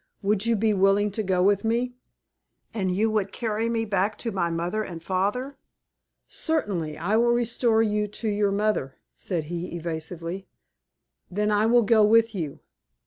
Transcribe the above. Would you be willing to go with me?" "And you would carry me back to my mother and father?" "Certainly, I would restore you to your mother," said he, evasively. "Then I will go with you."